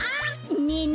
ねえね